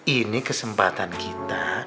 ini kesempatan kita